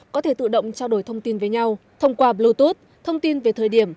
có thể tự động trao đổi thông tin với nhau thông qua bluetooth thông tin về thời điểm